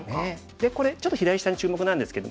でこれちょっと左下に注目なんですけど。